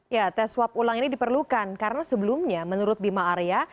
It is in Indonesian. ya tes swab ulang ini diperlukan karena sebelumnya menurut bima arya